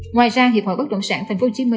ngoài ra hiệp hội bất động sản tp hcm